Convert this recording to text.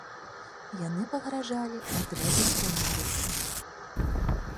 Яны пагражалі адрэзаць яму рукі.